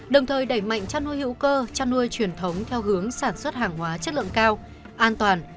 đồng thời đẩy mạnh chăn nuôi hữu cơ chăn nuôi truyền thống theo hướng sản xuất hàng hóa chất lượng cao an toàn